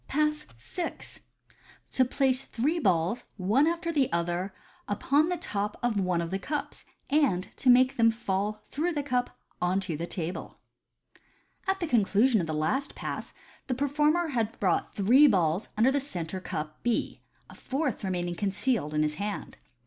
Pass VI. To Place three Balls one after the other upon the top of one of the Cups, and to make them fall through the Cup on to the Table. — At the conclusion of the last Pass the performer had brought three balls under the centre cup B, a fourth remaining concealed in his hand.